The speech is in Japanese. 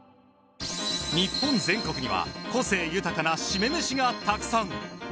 日本全国には個性豊かな〆めしがたくさん